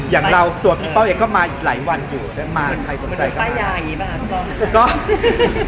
อย่างเราตัวพี่เป้าเอกก็มาอีกหลายวันอยู่แล้วมาใครสนใจกันมันเป็นป้ายยาอย่างงี้ป่ะครับ